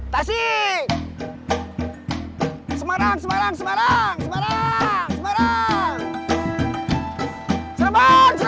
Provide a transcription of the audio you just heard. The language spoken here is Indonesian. biasalah zou wsagih